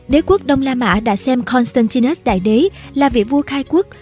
đế quốc đông la mã đã xem constantinus đại đế là vị vua khai quốc